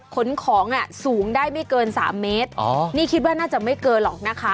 ขนของอ่ะสูงได้ไม่เกินสามเมตรอ๋อนี่คิดว่าน่าจะไม่เกินหรอกนะคะ